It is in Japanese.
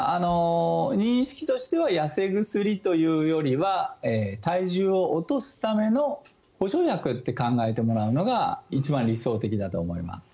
認識としては痩せ薬というよりは体重を落とすための補助薬って考えてもらうのが一番理想的だと思います。